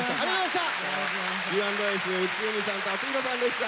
Ｕ＆Ｓ内海さんとアツヒロさんでした。